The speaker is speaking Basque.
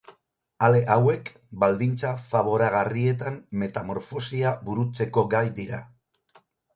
Ale hauek, baldintza faboragarrietan metamorfosia burutzeko gai dira.